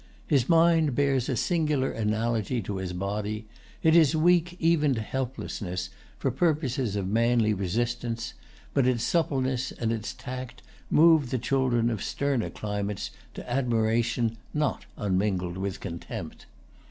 His mind bears a singular analogy to his body. It is weak even to helplessness, for purposes of manly resistance; but its suppleness and its tact move the children of sterner climates to admiration not unmingled with contempt.